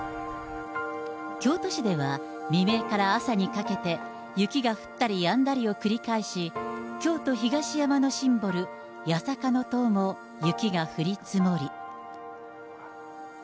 京都市では、未明から朝にかけて、雪が降ったりやんだりを繰り返し、京都・東山のシンボル、八坂の塔も、雪が降り積もり。